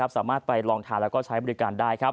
สามารถไปลองทานแล้วก็ใช้บริการได้